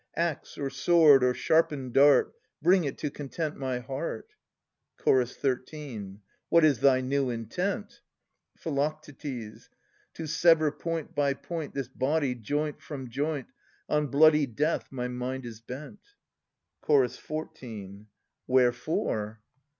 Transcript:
Axe or sword or sharpened dart. Bring it to content my heart. Ch. 13. What is thy new intent? Phi. To sever point by point This body, joint from joint. On bloody death my mind is bent. Ch. 14. Wherefore